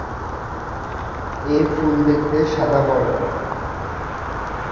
এর ফুল দেখতে সাদা বর্ণ।